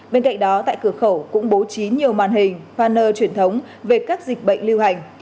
bên cạnh đó tại cửa khẩu cũng bố trí nhiều màn hình fanner truyền thống về các dịch bệnh lưu hành